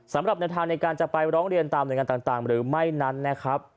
สำหรับในทางในการจะไปร้องเรียนตามหน่วยงานต่างหรือไม่นั้นนะครับ